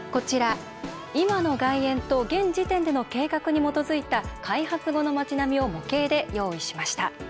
今の外苑と現時点での計画に基づいた開発後の町並みを模型で用意しました。